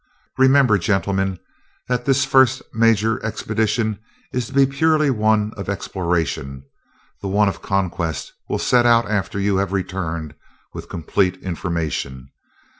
Remember, gentlemen, that this first major expedition is to be purely one of exploration; the one of conquest will set out after you have returned with complete information.